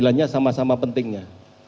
sembilan sembilan nya sama sama pentingnya